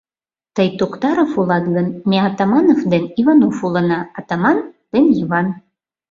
Тый Токтаров улат гын, ме Атаманов ден Иванов улына — атаман ден Йыван...